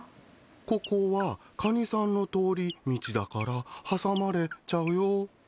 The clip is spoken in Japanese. ここはカニさんの通り道だから挟まれちゃうよ。